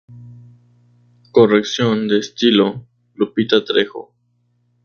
Corrección de estilo: Lupita Trejo.